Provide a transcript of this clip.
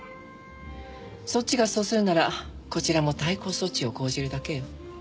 そっちがそうするならこちらも対抗措置を講じるだけよ。